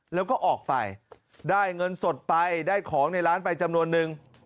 แล้วก็ออกไปได้เงินสดไปได้ของในร้านไปจำนวนนึง